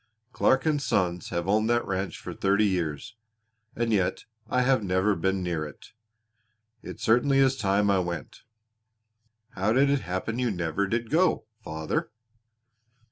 Clark & Sons have owned that ranch for thirty years, and yet I have never been near it. It certainly is time I went." "How did it happen you never did go, father?"